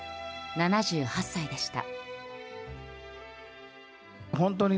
７８歳でした。